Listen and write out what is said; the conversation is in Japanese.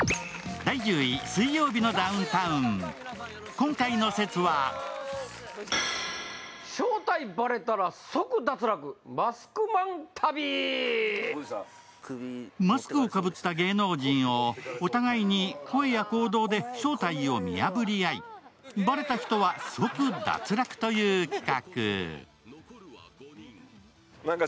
今回の説はマスクをかぶった芸能人をお互いに声や行動で正体を見破り合いバレた人は即脱落という企画。